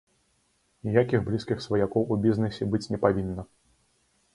Ніякіх блізкіх сваякоў у бізнэсе быць не павінна.